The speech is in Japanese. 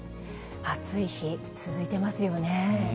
暑い日、続いていますよね。